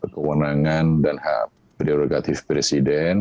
kewenangan dan hak prerogatif presiden